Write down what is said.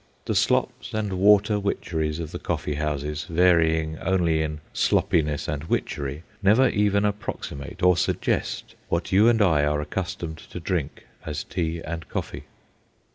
The slops and water witcheries of the coffee houses, varying only in sloppiness and witchery, never even approximate or suggest what you and I are accustomed to drink as tea and coffee.